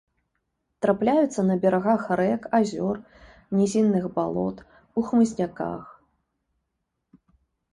Трапляюцца на берагах рэк, азёр, нізінных балот, у хмызняках.